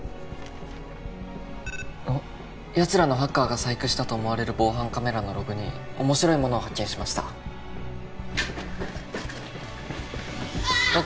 あっヤツらのハッカーが細工したと思われる防犯カメラのログに面白いものを発見しましたあっ！